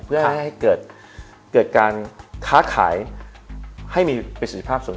เพื่อให้เกิดการค้าขายให้มีประสิทธิภาพสูง